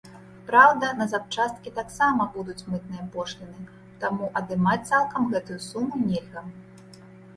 Праўда, на запчасткі таксама будуць мытныя пошліны, таму адымаць цалкам гэтую суму нельга.